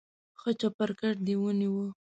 ښه چپرکټ دې ونیو.